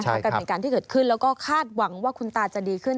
กับเหตุการณ์ที่เกิดขึ้นแล้วก็คาดหวังว่าคุณตาจะดีขึ้น